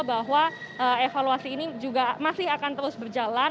bahwa evaluasi ini juga masih akan terus berjalan